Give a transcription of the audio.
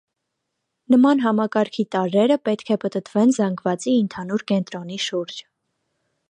Նման համակարգի տարրերը պետք է պտտվեն զանգվածի ընդհանուր կենտրոնի շուրջ։